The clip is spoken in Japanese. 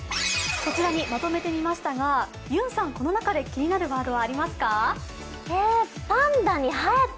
こちらにまとめてみましたが、ゆんさん、この中で気になるワードはありますか？